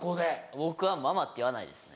僕はママって言わないですね。